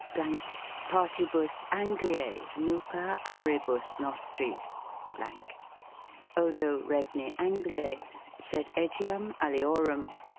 ... partibus Anglie nuper auribus nostris ... odo Regni Anglie ; sed etiam aliorum